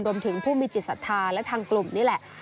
รวมถึงผู้มีจิตศรัทธาและทางกลุ่มนี่แหละ